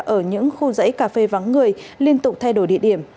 ở những khu dãy cà phê vắng người liên tục thay đổi địa điểm